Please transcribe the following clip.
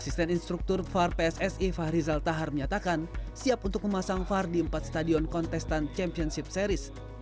asisten instruktur var pssi fahrizal tahar menyatakan siap untuk memasang var di empat stadion kontestan championship series